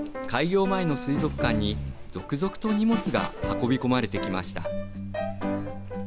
ことし５月開業前の水族館に続々と荷物が運び込まれてきました。